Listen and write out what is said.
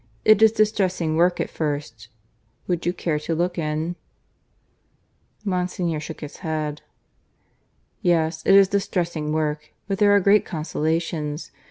"It is distressing work at first. Would you care to look in?" Monsignor shook his head. "Yes, it is distressing work, but there are great consolations.